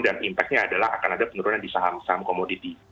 dan impact nya adalah akan ada penurunan di saham saham komoditinya